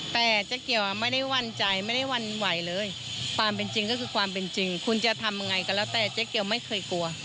แต่เจ๊เกียวไม่ได้หวั่นใจไม่ได้วั่นไหวเลยความเป็นจริงก็คือความเป็นจริงคุณจะทำยังไงก็แล้วแต่เจ๊เกียวไม่เคยกลัว